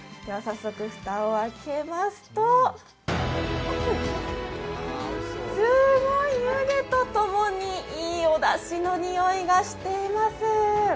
蓋を開けますとすごい湯気とともにいいおだしの匂いがしています。